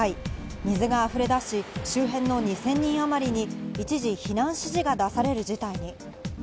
水が溢れ出し、周辺の２０００人あまりに一時、避難指示が出される事態に。